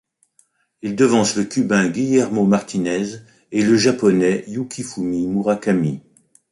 Il devance le Cubain Guillermo Martinez et le Japonais Yukifumi Murakami.